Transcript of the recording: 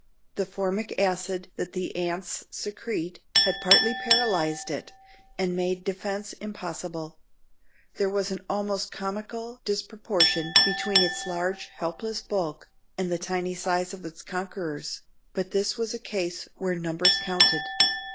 The formic acid that the ants secrete had partly paralyzed it and made defence impossible. There was an almost comical disproportion between its large helpless bulk and the tiny size of its conquerors, but this was a case where numbers counted.